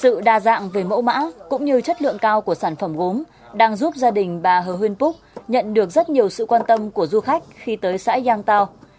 sự đa dạng về mẫu mã cũng như chất lượng cao của sản phẩm gốm đang giúp gia đình bà hờ huyên phúc nhận được rất nhiều sự quan tâm của du khách khi tới xã giang tao